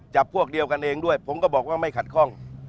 พวกเดียวกันเองด้วยผมก็บอกว่าไม่ขัดข้อง